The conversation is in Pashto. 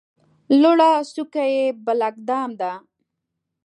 لوړه څوکه یې بلک دام ده.